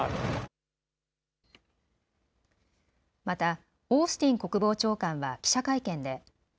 また、オースティン国防長官は記者会見で。